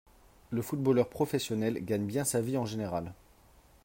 Le footballeur professionnel gagne bien sa vie en général